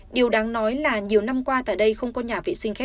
điều đáng nói là nhiều năm qua tại đây không có nhà vệ sinh khác